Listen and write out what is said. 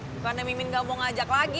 bukannya mimin gak mau ngajak lagi